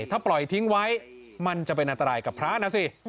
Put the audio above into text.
ถ้าปล่อยทิ้งไว้มันจะเป็นอันตรายกับพระนะสิ